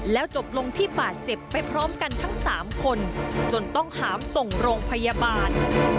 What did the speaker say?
แล้วจบลงที่บาดเจ็บไปพร้อมกันทั้ง๓คนจนต้องหามส่งโรงพยาบาล